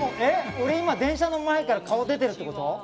俺今電車の前から顔出てるってこと？